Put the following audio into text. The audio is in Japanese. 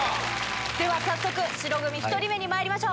では早速、白組１人目にまいりましょう。